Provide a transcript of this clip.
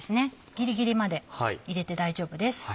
ギリギリまで入れて大丈夫です。